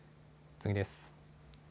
次です。